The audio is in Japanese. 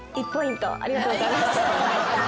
ありがとうございます。